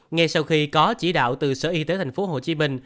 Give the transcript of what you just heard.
ngay sau khi có chỉ đạo từ sở y tế tp hcm